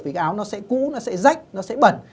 vì cái áo nó sẽ cũ nó sẽ rách nó sẽ bẩn